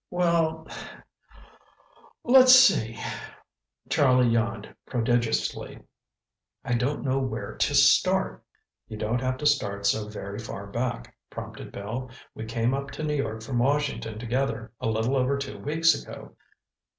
"Well, let's see—" Charlie yawned prodigiously. "I don't know where to start." "You don't have to start so very far back," prompted Bill. "We came up to New York from Washington together a little over two weeks ago."